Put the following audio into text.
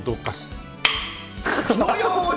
火の用心！